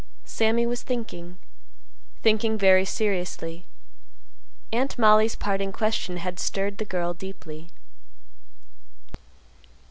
Sammy was thinking; thinking very seriously. Aunt Mollie's parting question had stirred the girl deeply.